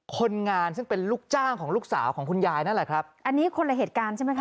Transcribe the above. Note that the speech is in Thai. คนงานซึ่งเป็นลูกจ้างของลูกสาวของคุณยายนั่นแหละครับอันนี้คนละเหตุการณ์ใช่ไหมคะ